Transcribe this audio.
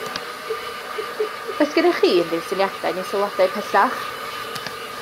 Oes gennych chi unrhyw syniadau neu sylwadau pellach?